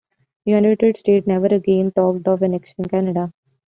United States never again talked of annexing Canada.